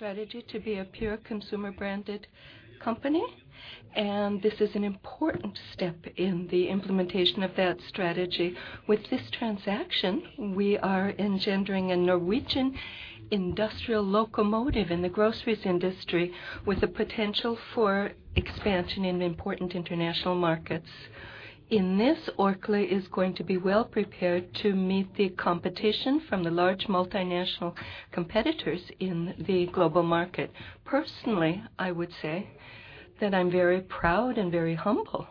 Strategy to be a pure consumer-branded company, and this is an important step in the implementation of that strategy. With this transaction, we are engendering a Norwegian industrial locomotive in the groceries industry, with a potential for expansion in important international markets. In this, Orkla is going to be well-prepared to meet the competition from the large multinational competitors in the global market. Personally, I would say that I'm very proud and very humble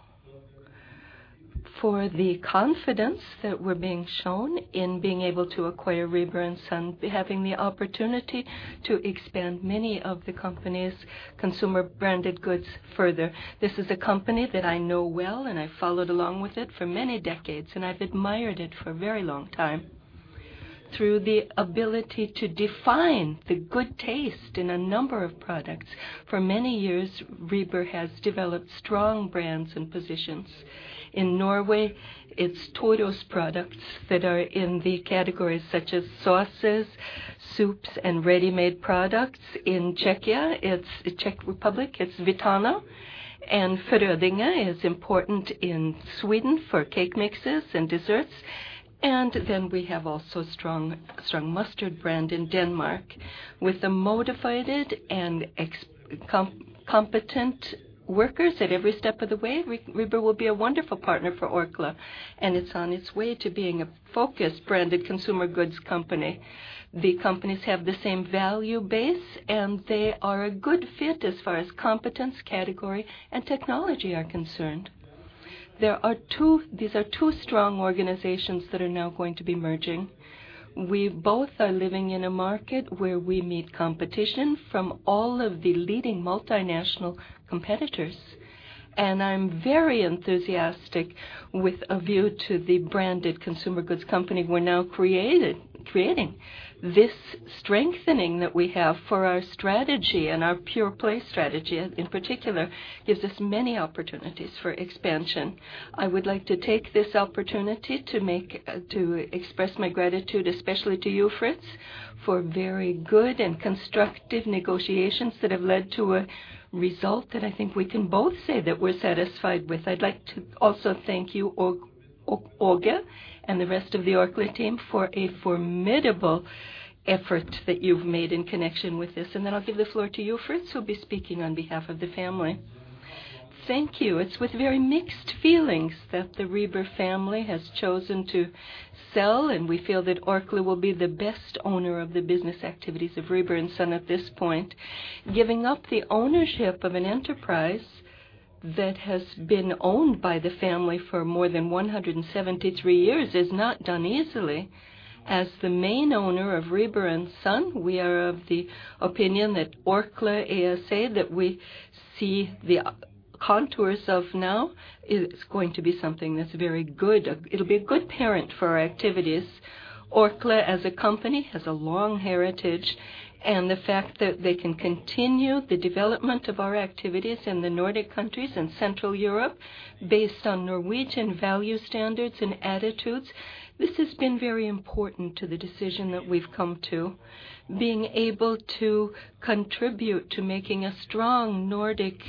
for the confidence that we're being shown in being able to acquire Rieber & Søn, having the opportunity to expand many of the company's consumer-branded goods further. This is a company that I know well, and I followed along with it for many decades, and I've admired it for a very long time. Through the ability to define the good taste in a number of products. For many years, Rieber has developed strong brands and positions. In Norway, it's Toro products that are in the categories such as sauces, soups, and ready-made products. In Czechia, it's the Czech Republic, it's Vitana, Frödinge is important in Sweden for cake mixes and desserts. We have also strong mustard brand in Denmark. With the motivated and competent workers at every step of the way, Rieber will be a wonderful partner for Orkla, and it's on its way to being a focused branded consumer goods company. The companies have the same value base, and they are a good fit as far as competence, category, and technology are concerned. These are two strong organizations that are now going to be merging. We both are living in a market where we meet competition from all of the leading multinational competitors. I'm very enthusiastic with a view to the branded consumer goods company we're now creating. This strengthening that we have for our strategy and our pure play strategy, in particular, gives us many opportunities for expansion. I would like to take this opportunity to express my gratitude, especially to you, Fritz, for very good and constructive negotiations that have led to a result that I think we can both say that we're satisfied with. I'd like to also thank you, Åge, and the rest of the Orkla team, for a formidable effort that you've made in connection with this. I'll give the floor to you, Fritz, who'll be speaking on behalf of the family. Thank you. It's with very mixed feelings that the Rieber family has chosen to sell, and we feel that Orkla will be the best owner of the business activities of Rieber & Søn at this point. Giving up the ownership of an enterprise that has been owned by the family for more than 173 years is not done easily. As the main owner of Rieber & Søn, we are of the opinion that Orkla ASA, that we see the contours of now, is going to be something that's very good. It'll be a good parent for our activities. Orkla, as a company, has a long heritage, and the fact that they can continue the development of our activities in the Nordic countries and Central Europe, based on Norwegian value standards and attitudes, this has been very important to the decision that we've come to. Being able to contribute to making a strong Nordic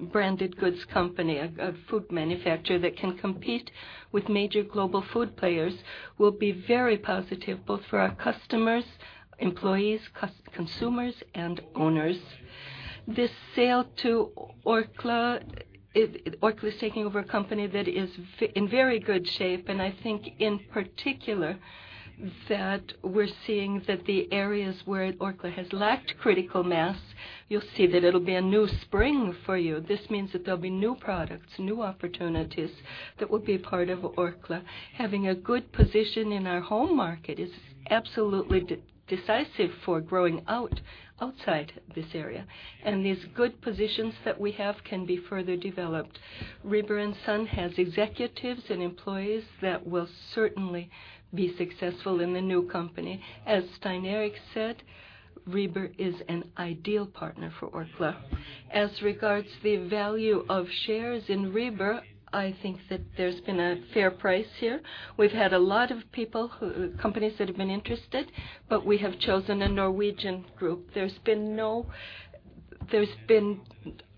branded goods company, a food manufacturer that can compete with major global food players, will be very positive, both for our customers, employees, consumers, and owners. This sale to Orkla is taking over a company that is in very good shape, and I think in particular, that we're seeing that the areas where Orkla has lacked critical mass, you'll see that it'll be a new spring for you. This means that there'll be new products, new opportunities that will be a part of Orkla. Having a good position in our home market is absolutely decisive for growing outside this area. These good positions that we have can be further developed. Rieber & Søn has executives and employees that will certainly be successful in the new company. As Stein Erik said, Rieber is an ideal partner for Orkla. As regards the value of shares in Rieber, I think that there's been a fair price here. We've had a lot of people who companies that have been interested, but we have chosen a Norwegian group. There's been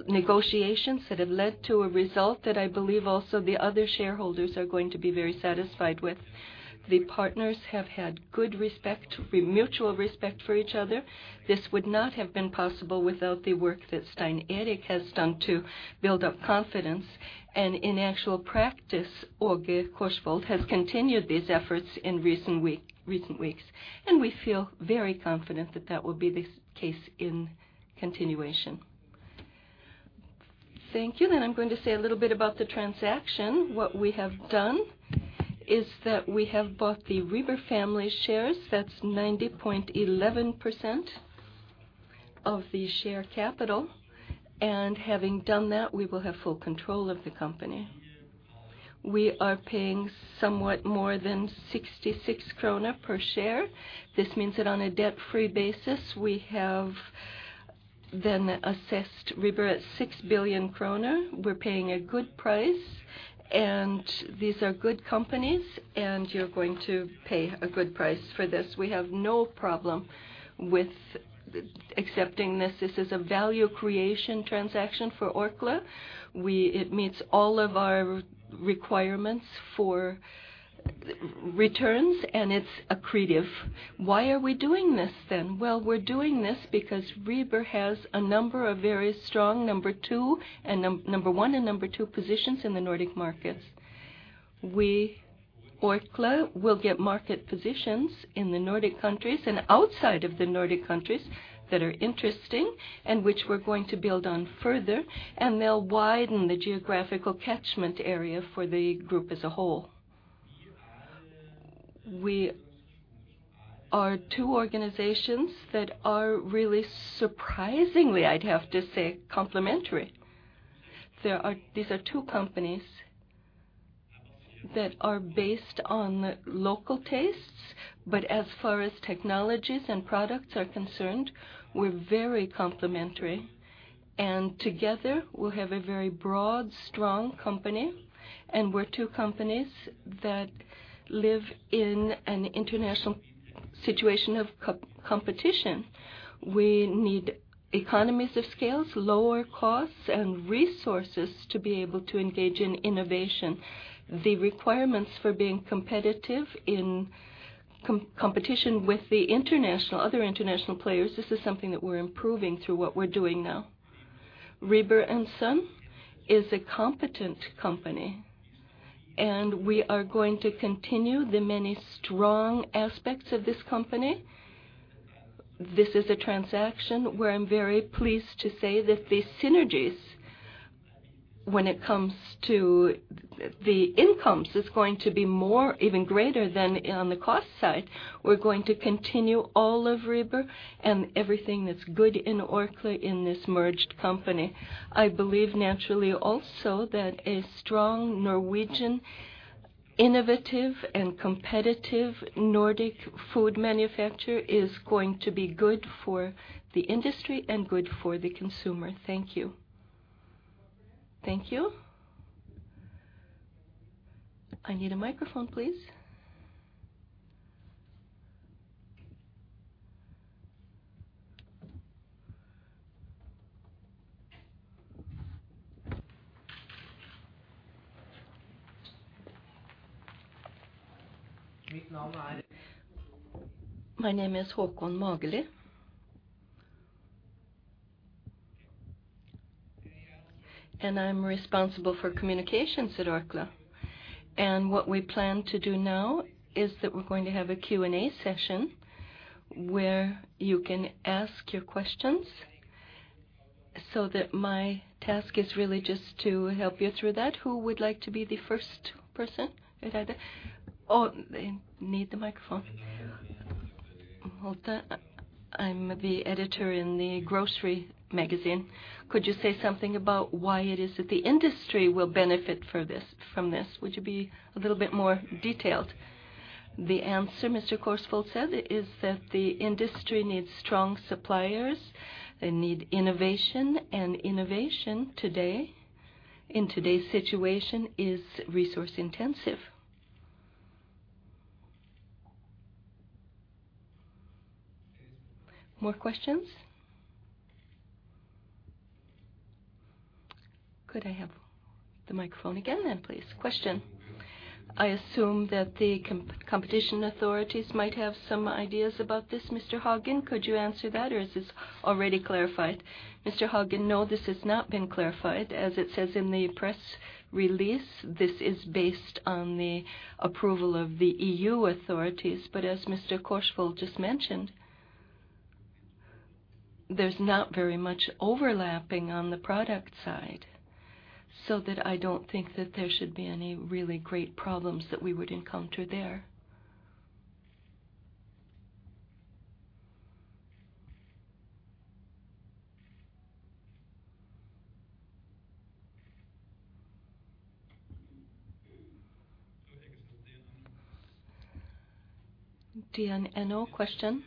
negotiations that have led to a result that I believe also the other shareholders are going to be very satisfied with. The partners have had good respect, mutual respect for each other. This would not have been possible without the work that Stein Erik has done to build up confidence, and in actual practice, Åge Korsvold has continued these efforts in recent weeks, and we feel very confident that that will be the case in continuation. Thank you, and I'm going to say a little bit about the transaction. What we have done is that we have bought the Rieber family shares, that's 90.11% of the share capital, and having done that, we will have full control of the company. We are paying somewhat more than 66 krone per share. This means that on a debt-free basis, we then assessed Rieber at 6 billion kroner. We're paying a good price, and these are good companies, and you're going to pay a good price for this. We have no problem with accepting this. This is a value creation transaction for Orkla. It meets all of our requirements for returns, and it's accretive. Why are we doing this then? Well, we're doing this because Rieber has a number of very strong number two and number one and number two positions in the Nordic markets. We, Orkla, will get market positions in the Nordic countries and outside of the Nordic countries that are interesting and which we're going to build on further. They'll widen the geographical catchment area for the group as a whole. We are two organizations that are really surprisingly, I'd have to say, complementary. These are two companies that are based on local tastes, but as far as technologies and products are concerned, we're very complementary. Together, we'll have a very broad, strong company. We're two companies that live in an international situation of competition. We need economies of scale, lower costs, and resources to be able to engage in innovation. The requirements for being competitive in competition with the international players, this is something that we're improving through what we're doing now. Rieber & Søn is a competent company, and we are going to continue the many strong aspects of this company. This is a transaction where I'm very pleased to say that the synergies, when it comes to the incomes, is going to be more, even greater than on the cost side. We're going to continue all of Rieber and everything that's good in Orkla in this merged company. I believe naturally also that a strong Norwegian, innovative, and competitive Nordic food manufacturer is going to be good for the industry and good for the consumer. Thank you. Thank you. I need a microphone, please. My name is Håkon Mageli, and I'm responsible for communications at Orkla. What we plan to do now is that we're going to have a Q&A session where you can ask your questions, so that my task is really just to help you through that. Who would like to be the first person? Right there. Oh, you need the microphone. I'm the editor in the grocery magazine. Could you say something about why it is that the industry will benefit from this? Would you be a little bit more detailed? The answer, Mr. Korsvold said, is that the industry needs strong suppliers. They need innovation today, in today's situation, is resource intensive. More questions? Could I have the microphone again, then, please? Question: I assume that the competition authorities might have some ideas about this, Mr. Hagen, could you answer that, or is this already clarified? Mr. Hagen, no, this has not been clarified. As it says in the press release, this is based on the approval of the EU authorities, as Mr. Korsvold just mentioned, there's not very much overlapping on the product side, so that I don't think that there should be any really great problems that we would encounter there. DN, question: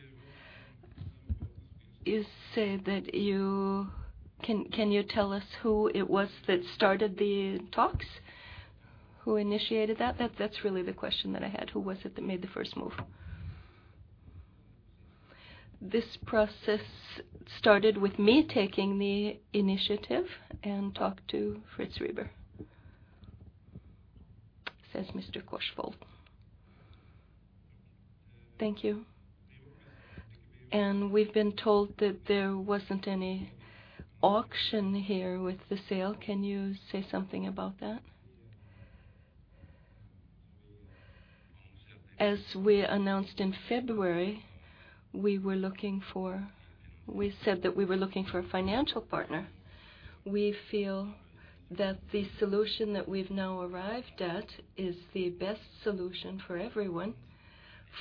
Can you tell us who it was that started the talks? Who initiated that? That's really the question that I had. Who was it that made the first move? This process started with me taking the initiative and talked to Fritz Rieber, says Mr. Korsvold. Thank you. We've been told that there wasn't any auction here with the sale. Can you say something about that? As we announced in February, we said that we were looking for a financial partner. We feel that the solution that we've now arrived at is the best solution for everyone,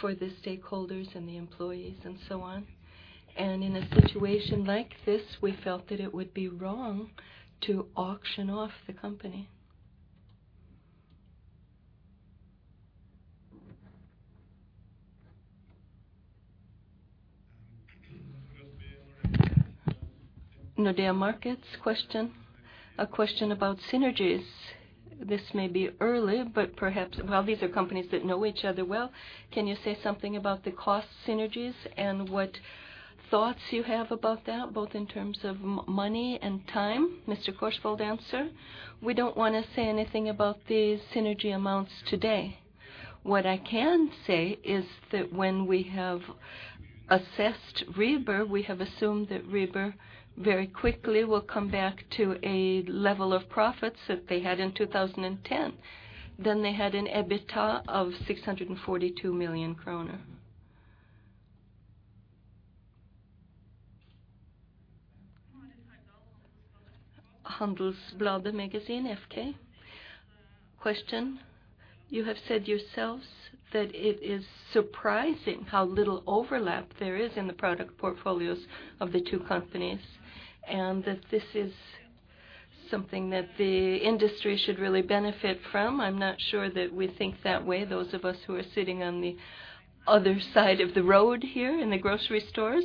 for the stakeholders and the employees and so on. In a situation like this, we felt that it would be wrong to auction off the company. Nordea Markets, question. A question about synergies. This may be early, but perhaps, well, these are companies that know each other well. Can you say something about the cost synergies and what thoughts you have about that, both in terms of money and time? Mr. Korsvold, answer: We don't want to say anything about the synergy amounts today. What I can say is that when we have assessed Rieber, we have assumed that Rieber very quickly will come back to a level of profits that they had in 2010. Then they had an EBITDA of 642 million kroner. Handelsbladet Magazine FK. You have said yourselves that it is surprising how little overlap there is in the product portfolios of the two companies, and that this is something that the industry should really benefit from. I'm not sure that we think that way, those of us who are sitting on the other side of the road here in the grocery stores.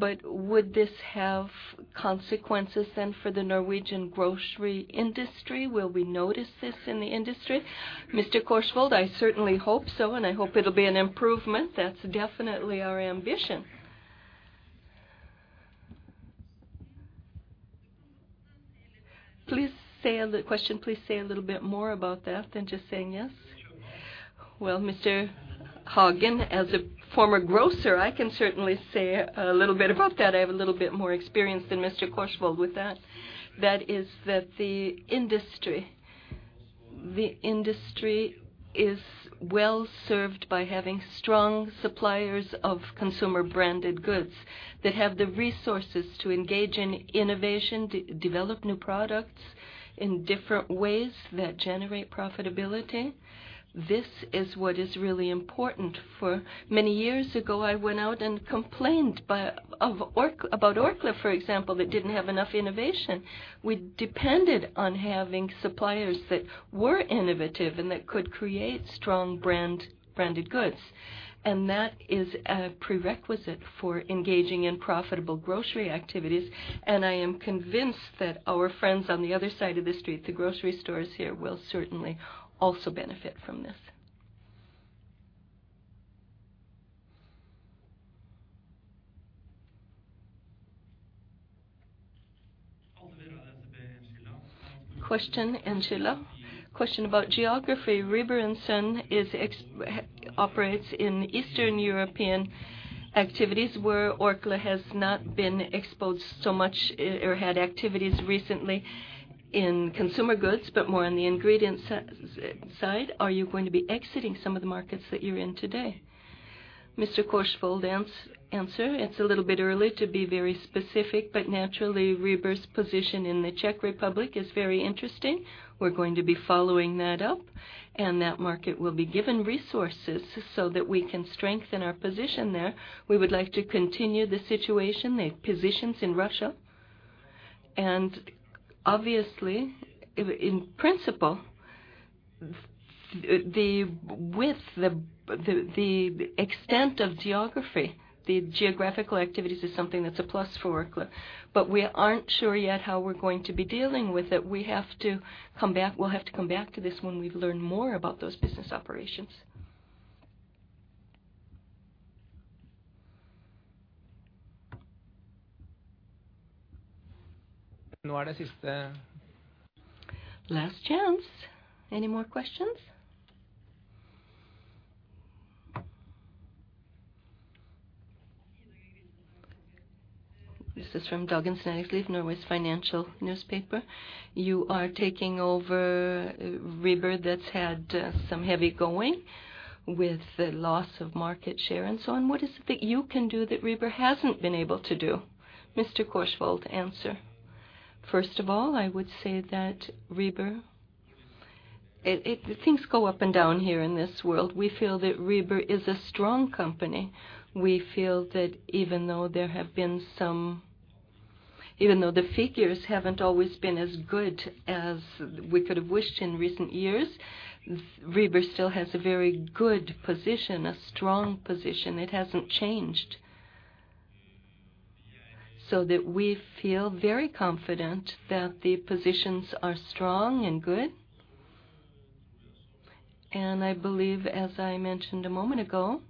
Would this have consequences then for the Norwegian grocery industry? Will we notice this in the industry? I certainly hope so, and I hope it'll be an improvement. That's definitely our ambition. Please say a little bit more about that than just saying, yes. Mr. Hagen, as a former grocer, I can certainly say a little bit about that. I have a little bit more experience than Mr. Korsvold with that. That is that the industry is well-served by having strong suppliers of consumer-branded goods that have the resources to engage in innovation, develop new products in different ways that generate profitability. This is what is really important. For many years ago, I went out and complained about Orkla, for example, that didn't have enough innovation. We depended on having suppliers that were innovative and that could create strong branded goods, that is a prerequisite for engaging in profitable grocery activities, I am convinced that our friends on the other side of the street, the grocery stores here, will certainly also benefit from this. Question, Angela. Question about geography. Rieber & Søn operates in Eastern European activities, where Orkla has not been exposed so much or had activities recently in consumer goods, but more on the ingredient side. Are you going to be exiting some of the markets that you're in today? Mr. Korsvold, answer: It's a little bit early to be very specific, but naturally, Rieber's position in the Czech Republic is very interesting. We're going to be following that up, and that market will be given resources so that we can strengthen our position there. We would like to continue the situation, the positions in Russia. Obviously, in principle, the extent of geography, the geographical activities is something that's a plus for Orkla, but we aren't sure yet how we're going to be dealing with it. We'll have to come back to this when we've learned more about those business operations. Last chance. Any more questions? This is from Dagens Næringsliv, Norway's financial newspaper. You are taking over Rieber, that's had some heavy going with the loss of market share and so on. What is it that you can do that Rieber hasn't been able to do? Mr. Korsvold, answer: First of all, I would say that Rieber, things go up and down here in this world. We feel that Rieber is a strong company. We feel that even though there have been some. Even though the figures haven't always been as good as we could have wished in recent years, Rieber still has a very good position, a strong position. It hasn't changed. We feel very confident that the positions are strong and good. I believe, as I mentioned a moment ago,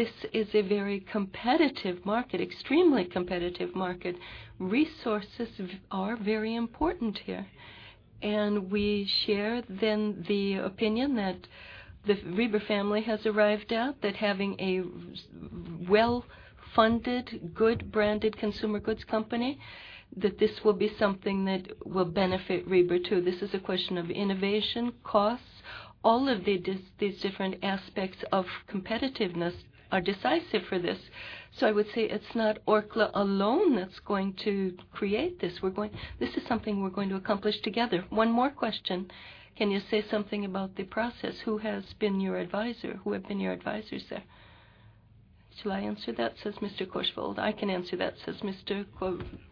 this is a very competitive market, extremely competitive market. Resources are very important here. We share then the opinion that the Rieber family has arrived at, that having a well-funded, good-branded consumer goods company, that this will be something that will benefit Rieber, too. This is a question of innovation, costs. All of these different aspects of competitiveness are decisive for this. I would say it's not Orkla alone that's going to create this. This is something we're going to accomplish together. One more question: Can you say something about the process? Who has been your advisor? Who have been your advisors there? Shall I answer that, says Mr. Korsvold. I can answer that, says Mr.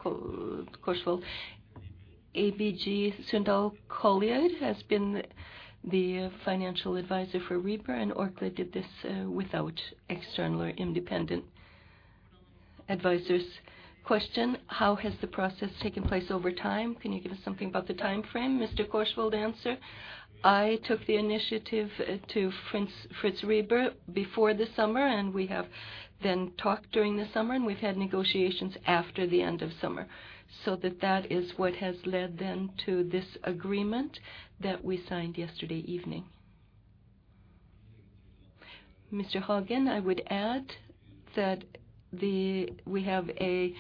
Korsvold. ABG Sundal Collier has been the financial advisor for Rieber, and Orkla did this without external or independent advisors. Question: How has the process taken place over time? Can you give us something about the time frame? Mr. Korsvold, answer: I took the initiative to Fritz Rieber before the summer, we have then talked during the summer, we've had negotiations after the end of summer. That is what has led then to this agreement that we signed yesterday evening. Mr. Hagen, I would add that we have a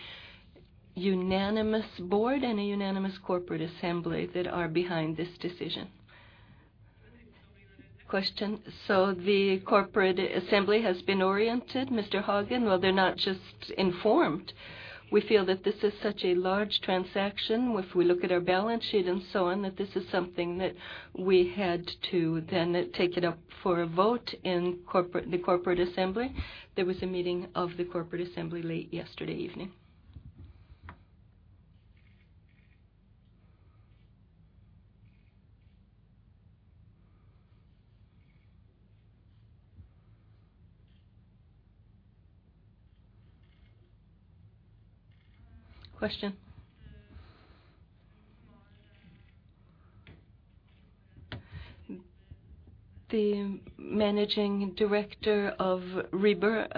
unanimous board and a unanimous corporate assembly that are behind this decision. Question: The corporate assembly has been oriented, Mr. Hagen? Well, they're not just informed. We feel that this is such a large transaction, if we look at our balance sheet and so on, that this is something that we had to then take it up for a vote in the corporate assembly. There was a meeting of the corporate assembly late yesterday evening. Question? The managing director of Rieber,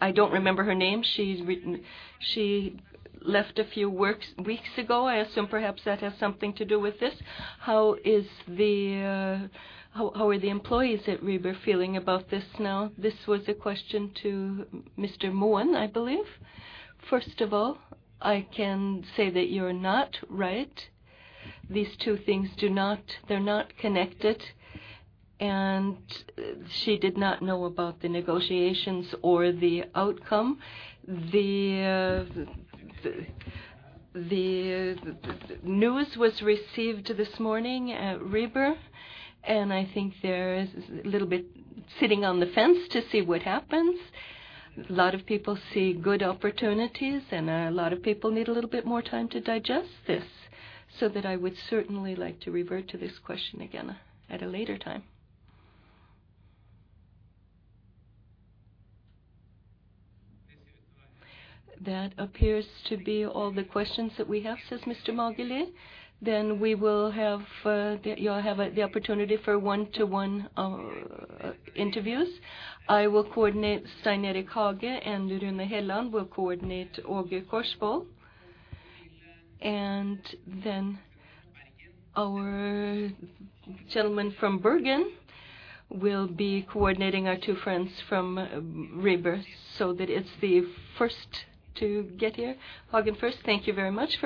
I don't remember her name. She left a few works, weeks ago. I assume perhaps that has something to do with this. How is the, how are the employees at Rieber feeling about this now? This was a question to Mr. Mohn, I believe. I can say that you're not right. These two things do not, they're not connected, and she did not know about the negotiations or the outcome. The, the news was received this morning at Rieber, and I think there is a little bit sitting on the fence to see what happens. A lot of people see good opportunities, and a lot of people need a little bit more time to digest this, so that I would certainly like to revert to this question again at a later time. That appears to be all the questions that we have, says Mr. Mageli. We will have, you'll have the opportunity for one-to-one interviews. I will coordinate Stein Erik Hagen, and Rune Helland will coordinate Åge Korsvold. Our gentleman from Bergen will be coordinating our two friends from Rieber, so that it's the first to get here. Hagen first. Thank you very much for this.